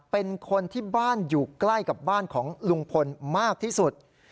เป็นคนที่บ้านอยู่ใกล้กับบ้านของลุงพลมากที่สุด